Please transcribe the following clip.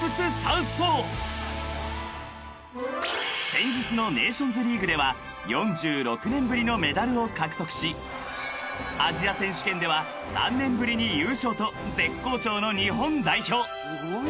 ［先日のネーションズリーグでは４６年ぶりのメダルを獲得しアジア選手権では３年ぶりに優勝と絶好調の日本代表］